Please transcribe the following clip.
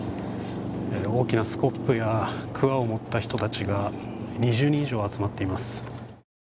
大きなスコップや、くわを持った人たちが２０人以上あつまっています。